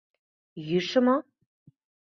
— Йӱшӧ мо?